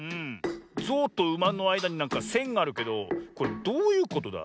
ゾウとウマのあいだになんかせんがあるけどこれどういうことだ？